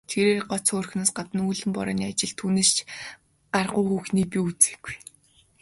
Тэрээр гоц хөөрхнөөс гадна үүлэн борооны ажилд түүнээс гаргуу хүүхнийг би үзээгүй.